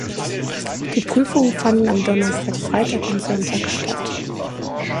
Die Prüfungen fanden am Donnerstag, Freitag und Sonntag statt.